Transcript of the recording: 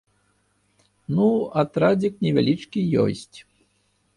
Ну, атрадзік невялічкі ёсць.